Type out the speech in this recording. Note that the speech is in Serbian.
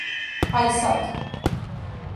А и сад.